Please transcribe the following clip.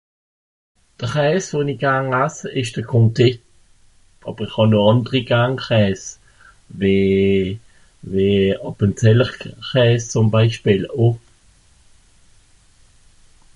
de Käs wo ich gern ess isch de Comté awer es gibt noch anderi Käs, de Appenzell